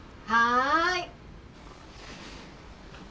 はい！